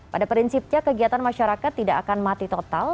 pada prinsipnya kegiatan masyarakat tidak akan mati total